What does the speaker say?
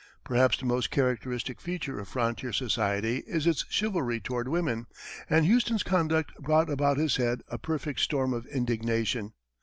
Perhaps the most characteristic feature of frontier society is its chivalry toward women, and Houston's conduct brought about his head a perfect storm of indignation.